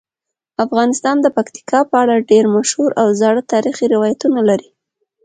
افغانستان د پکتیکا په اړه ډیر مشهور او زاړه تاریخی روایتونه لري.